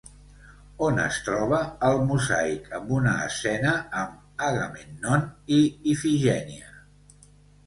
On es troba el mosaic amb una escena amb Agamèmnon i Ifigènia?